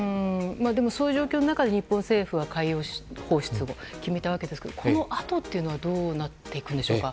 でも、そういう状況の中で日本政府は海洋放出を決めたわけですが、このあとはどうなっていくんでしょうか。